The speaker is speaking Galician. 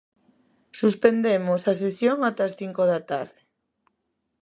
Suspendemos a sesión ata as cinco da tarde.